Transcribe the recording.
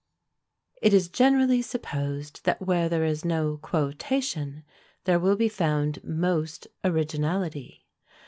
It is generally supposed that where there is no QUOTATION, there will be found most originality.